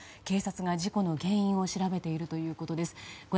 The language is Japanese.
警察が事故の原因を調べているということです。